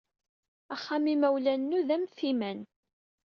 Axxam n yimawlan-inu d amfiman.